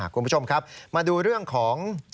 คุณผู้ชมครับมาดูเรื่องของ